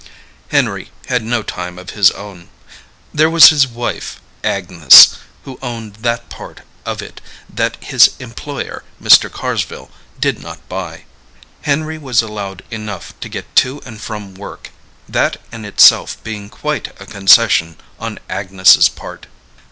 Henry had no time of his own. There was his wife, Agnes who owned that part of it that his employer, Mr. Carsville, did not buy. Henry was allowed enough to get to and from work that in itself being quite a concession on Agnes' part.